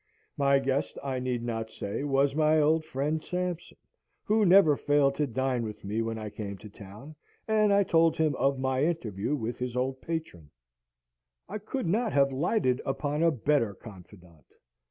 ] My guest, I need not say, was my old friend Sampson, who never failed to dine with me when I came to town, and I told him of my interview with his old patron. I could not have lighted upon a better confidant.